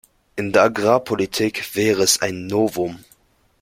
In der Agrarpolitik wäre es ein Novum.